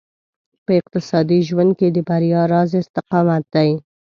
په اقتصادي ژوند کې د بريا راز استقامت دی.